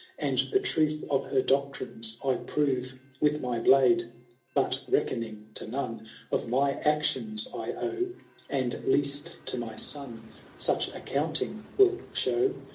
And the truth of her doctrines I prove with my blade. But reckoning to none of my actions I owe. And least to my son such accounting will show.